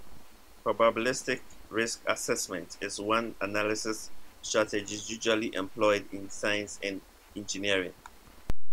Probabilistic risk assessment is one analysis strategy usually employed in science and engineering.